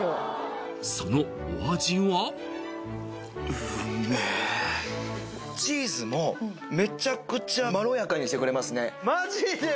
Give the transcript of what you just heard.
そのお味はチーズもめちゃくちゃまろやかにしてくれますね